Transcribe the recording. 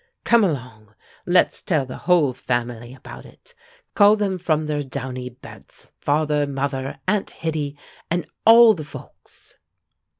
Come along; let's tell the whole family about it. Call them from their downy beds, father, mother, Aunt Hitty, and all the folks!"